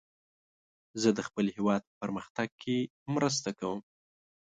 زه د خپل هیواد په پرمختګ کې مرسته کوم.